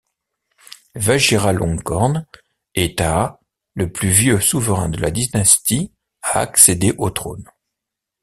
Vajiralongkorn est à le plus vieux souverain de la dynastie à accéder au trône.